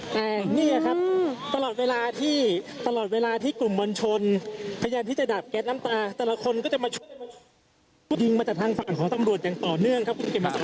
แต่เนี่ยครับกลุ่มมลชนพยายามที่จะดับแก๊สน้ำตาลจนก็ถึงมาจากทางฝั่งของตำรวจให้ต่อเนื่องครับคุณบริภัณฑ์กรรมครับ